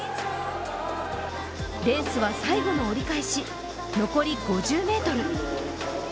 レースは最後の折り返し、残り５０ｍ。